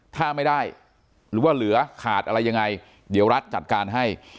ถ้าไม่ได้หรือว่าเหลือขาดอะไรยังไงเดี๋ยวรัฐจัดการให้